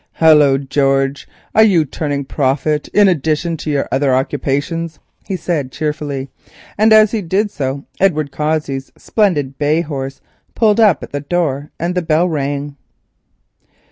"Hullo, George, are you turning prophet in addition to your other occupations?" he said cheerfully, and as he did so Edward Cossey's splendid bay horse pulled up at the door and the bell rang.